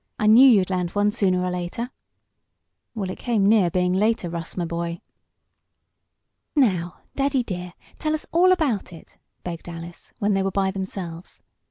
I knew you'd land one sooner or later." "Well, it came near being later, Russ, my boy." "Now, Daddy dear, tell us all about it," begged Alice, when they were by themselves.